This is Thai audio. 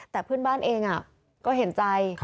แต่เพื่อนบ้านเองก็เห็นใจ